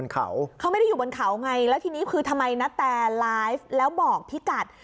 เขาไม่ได้อยู่บนเขาไงแล้วทีนี้คือทำไมนาแตไลฟ์แล้วบอกพี่กัด